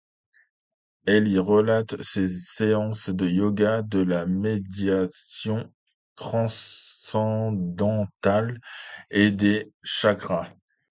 Elle y relate ses séances de yoga, de la méditation transcendantale et des chakras.